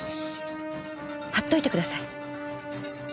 貼っといてください。